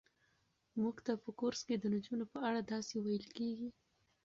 موږ ته په کورس کې د نجونو په اړه داسې ویل کېږي.